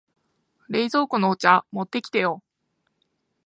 冷蔵庫のお茶持ってきてよ。